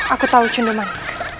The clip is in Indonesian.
aku tahu cendemannya